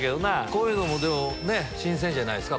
こういうのも新鮮じゃないっすか？